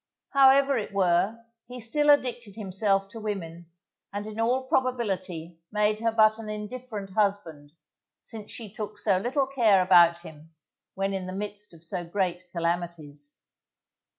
However it were, he still addicted himself to women, and in all probability made her but an indifferent husband, since she took so little care about him, when in the midst of so great calamities.